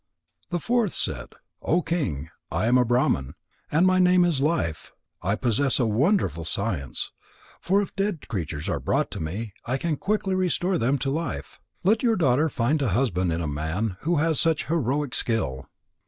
The fourth said: "O King, I am a Brahman, and my name is Life. I possess a wonderful science. For if dead creatures are brought to me, I can quickly restore them to life. Let your daughter find a husband in a man who has such heroic skill."